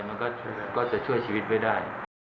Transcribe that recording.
มันก็จะช่วยชีวิตไว้ได้